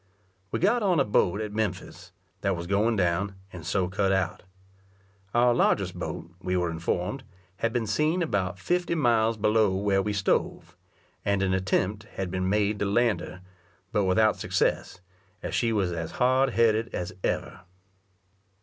We got on a boat at Memphis, that was going down, and so cut out. Our largest boat, we were informed, had been seen about fifty miles below where we stove, and an attempt had been made to land her, but without success, as she was as hard headed as ever.